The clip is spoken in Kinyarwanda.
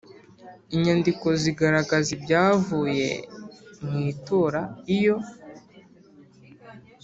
nyandiko zigaragaza ibyavuye mu itora iyo